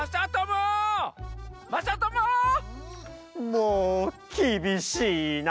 もうきびしいな！